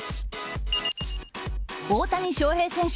大谷翔平選手